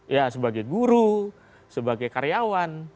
ya sebagai guru sebagai karyawan